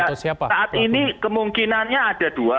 saat ini kemungkinannya ada dua